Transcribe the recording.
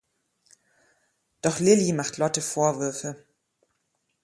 Doch Lily macht Lotte Vorwürfe.